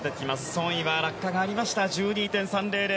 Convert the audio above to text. ソン・イは落下がありました１２．３００。